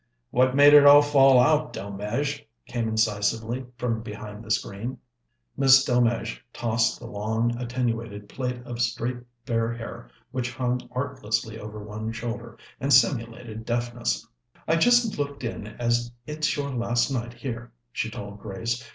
"What made it all fall out, Delmege?" came incisively from behind the screen. Miss Delmege tossed the long attenuated plait of straight fair hair which hung artlessly over one shoulder, and simulated deafness. "I just looked in as it's your last night here," she told Grace.